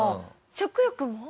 食欲も？